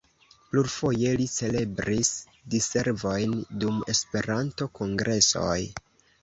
Plurfoje li celebris diservojn dum Esperanto-kongresoj.